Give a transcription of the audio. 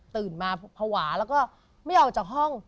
มาภาวะแล้วก็ไม่ออกจากห้อง